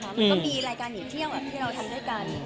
มันก็มีรายการหนีเที่ยวแบบที่เราทำด้วยกัน